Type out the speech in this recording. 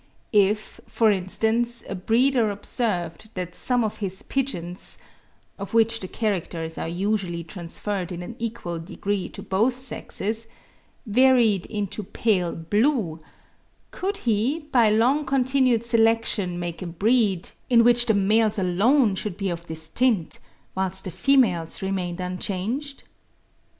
If, for instance, a breeder observed that some of his pigeons (of which the characters are usually transferred in an equal degree to both sexes) varied into pale blue, could he by long continued selection make a breed, in which the males alone should be of this tint, whilst the females remained unchanged?